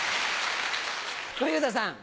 小遊三さん。